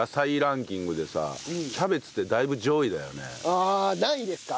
ああ何位ですか？